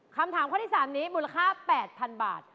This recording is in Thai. คำถามข้อที่๓นี้มูลค่า๘๐๐๐บาท